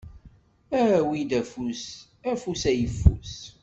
Awi-d afus, afus ayffus.